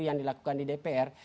yang dilakukan di dpr